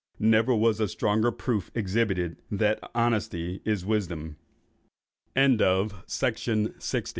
Never was a stronger proof exhibited, that honesty is wisdom. TH